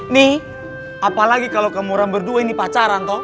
nih apalagi kalau kamu orang berdua ini pacaran